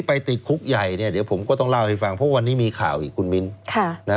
ไปติดคุกใหญ่เนี่ยเดี๋ยวผมก็ต้องเล่าให้ฟังเพราะวันนี้มีข่าวอีกคุณมิ้น